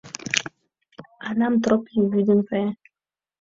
Анам Тропий вӱден кая.